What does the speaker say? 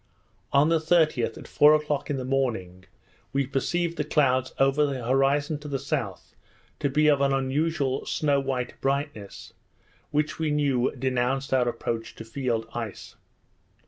On the 30th, at four o'clock in the morning, we perceived the clouds, over the horizon to the south, to be of an unusual snow white brightness, which we knew denounced our approach to field ice.